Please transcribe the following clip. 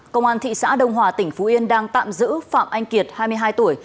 công an thị xã đông hòa tỉnh phú yên đang tạm giữ phạm anh kiệt hai mươi hai tuổi